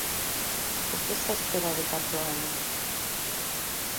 Por que esta espera de catro anos?